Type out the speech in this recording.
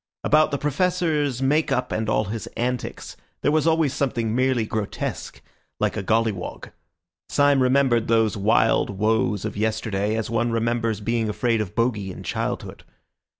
About the Professor's makeup and all his antics there was always something merely grotesque, like a gollywog. Syme remembered those wild woes of yesterday as one remembers being afraid of Bogy in childhood.